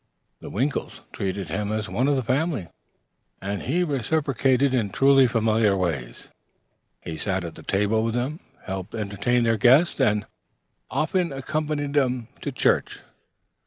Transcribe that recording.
The Winkles treated him as one of the family, and he reciprocated in truly familiar ways. He sat at the table with them, helped entertain their guests, and often accompanied them to church.